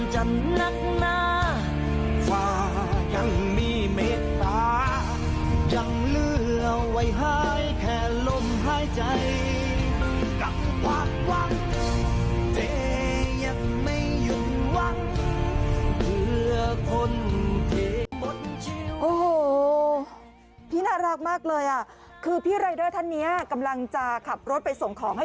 โอ้โหพี่น่ารักมากเลยอ่ะคือพี่รายเดอร์ท่านเนี้ยกำลังจะขับรถไปส่งของให้